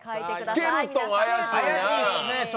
スケルトンは怪しいなあ！